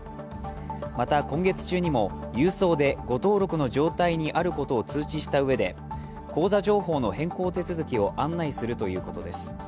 また、今月中にも郵送で誤登録の状態にあることを通知したうえで通知したうえで口座情報の変更手続きを案内するということです。